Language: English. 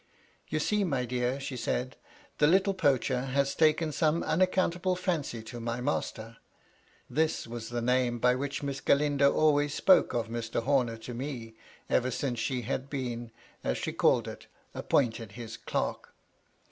"You see, my dear," she said, "the little poacher has taken some unaccountable fancy to my master." (This was the name by which Miss Galindo always spoke of Mr. Homer to me, ever since she had been, as she called it, appointed his clerk.)